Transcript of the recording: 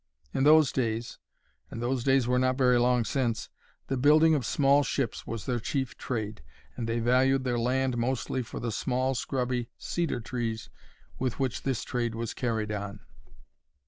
In those days—and those days were not very long since—the building of small ships was their chief trade, and they valued their land mostly for the small scrubby cedar trees with which this trade was carried on.